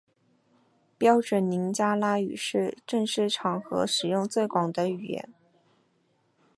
标准林加拉语是正式场合使用最广的语言。